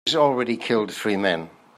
He's already killed three men.